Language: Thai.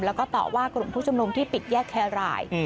แล้วก็ต่อว่ากลุ่มผู้ชุมนุมที่ปิดแยกแครราย